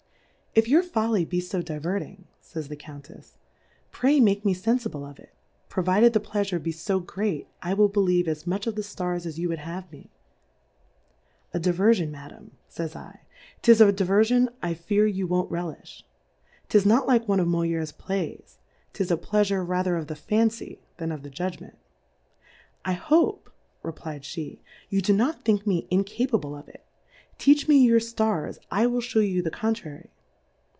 If your Folly be fo div^erting, pn's the Countefs^ Pray make me fenfible of it ; provided the Pleafure be fo great, I will believe as much of the Stars as you v/ould have me. A Diverfion, Madam, y>/)'j 7, 'tis • a Diverfion I fear you Vv^on't relifli, 'tis • not like one of MoUere\ Plays, 'tis a> Pleafure rather of the Fancy than of the Jtidgment. I hope, reflfdjhe^ you do not think me incapable of it *, teach me your Stars^ I will fliew you the contrary.